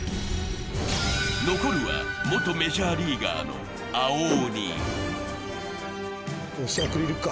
残るは元メジャーリーガーの青鬼。